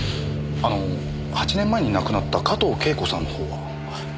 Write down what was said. あの８年前に亡くなった加藤恵子さんの方は？